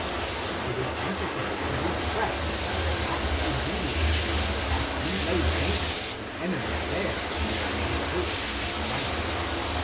But it is necessary to repress their attacks immediately, that we may vanquish the enemy there where he hoped to triumph.